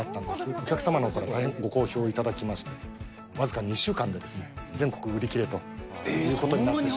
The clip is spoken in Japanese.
お客様のほうから大変ご好評いただきまして、僅か２週間で、全国売り切れということになってしまいました。